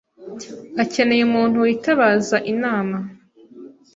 Akeneye umuntu witabaza inama.